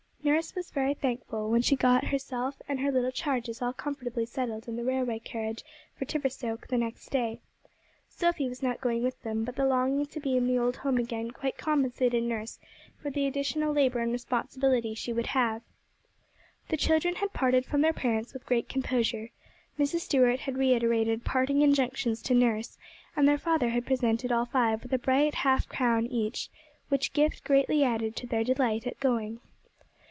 Nurse was very thankful when she got herself and her little charges all comfortably settled in the railway carriage for Tiverstoke the next day. Sophy was not going with them, but the longing to be in the old home again quite compensated nurse for the additional labour and responsibility she would have. The children had parted from their parents with great composure. Mrs. Stuart had reiterated parting injunctions to nurse, and their father had presented all five with a bright half crown each, which gift greatly added to their delight at going.